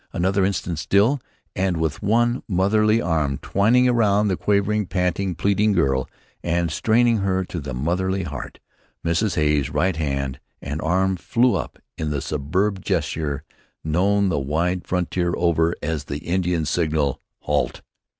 Another instant still, and, with one motherly arm twining about the quivering, panting, pleading girl and straining her to the motherly heart, Mrs. Hay's right hand and arm flew up in the superb gesture known the wide frontier over as the Indian signal "Halt!"